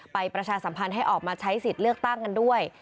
ประชาสัมพันธ์ให้ออกมาใช้สิทธิ์เลือกตั้งกันด้วย